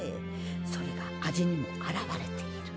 それが味にもあらわれている。